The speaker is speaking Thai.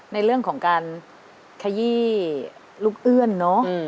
ในเรื่องของการขยี้ลูกเอื้อนเนอะ